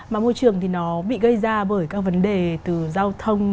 mà môi trường thì nó bị gây ra bởi các vấn đề từ giao thông